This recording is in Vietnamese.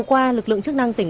cụng tin ván đáng chú ý